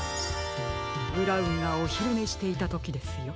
ブラウンがおひるねしていたときですよ。